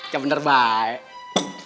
ya bener baik